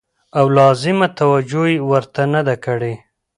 او لازمه توجع يې ورته نه ده کړې